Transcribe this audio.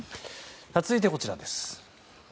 続いて、こちらです。